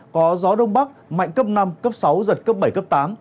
có gió đông bắc mạnh cấp năm cấp sáu giật cấp bảy cấp tám